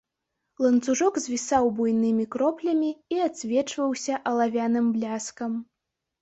Ланцужок звісаў буйнымі кроплямі і адсвечваўся алавяным бляскам.